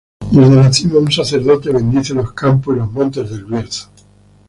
Desde la cima, un sacerdote bendice los campos y los montes de El Bierzo.